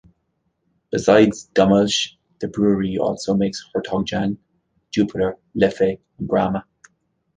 Besides "Dommelsch" the brewery also makes "Hertog Jan", "Jupiler", "Leffe" and "Brahma".